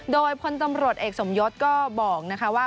โดยพลตำรวจเอกสมยศก็บอกว่า